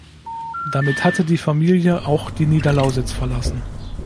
Damit hatte die Familie auch die Niederlausitz verlassen.